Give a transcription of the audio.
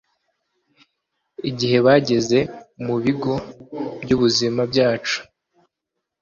igihe bageze mu bigo byubuzima byacu